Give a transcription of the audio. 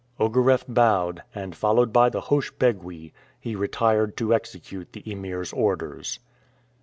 Ogareff bowed, and, followed by the housch begui, he retired to execute the Emir's orders.